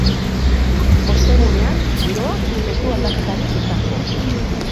Ostegunean, giroak ez du aldaketarik izango.